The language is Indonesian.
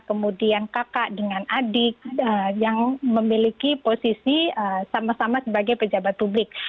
kemudian kakak dengan adik yang memiliki posisi sama sama sebagai pejabat publik